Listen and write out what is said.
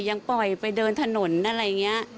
ยังปล่อยไปเดินถนนอะไรอย่างนี้